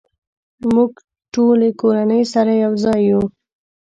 مونږ ټولې کورنۍ سره یوځای یو